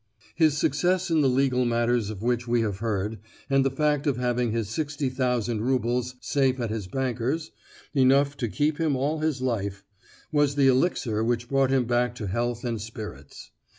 His success in the legal matters of which we have heard, and the fact of having his sixty thousand roubles safe at his bankers—enough to keep him all his life—was the elixir which brought him back to health and spirits.